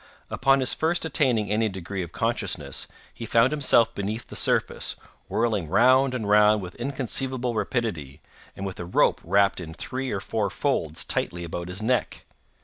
Upon his first attaining any degree of consciousness, he found himself beneath the surface, whirling round and round with inconceivable rapidity, and with a rope wrapped in three or four folds tightly about his neck.